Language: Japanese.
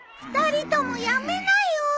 ２人ともやめなよ。